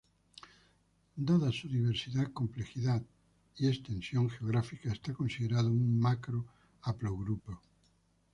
Dada su diversidad, complejidad y extensión geográfica es considerado un macro haplogrupo.